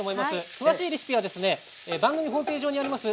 詳しいレシピは番組ホームページ上にあります